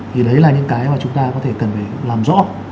thì đấy là những cái mà chúng ta có thể cần phải làm rõ